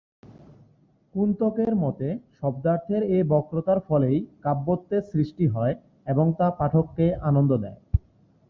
কুন্তকের মতে, শব্দার্থের এ বক্রতার ফলেই কাব্যত্বের সৃষ্টি হয় এবং তা পাঠককে আনন্দ দেয়।